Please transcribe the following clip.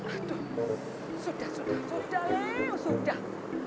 aduh sudah sudah sudah sudah